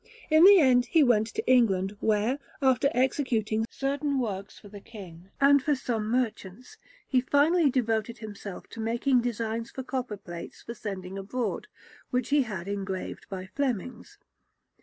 In the end he went to England, where, after executing certain works for the King and for some merchants, he finally devoted himself to making designs for copper plates for sending abroad, which he had engraved by Flemings.